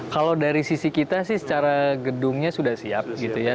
kalau dari sisi kita sih secara gedungnya sudah siap gitu ya